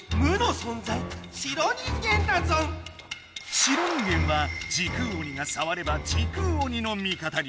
「白人間」は時空鬼がさわれば時空鬼の味方に。